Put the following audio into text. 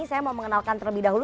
saya mau mengenalkan terlebih dahulu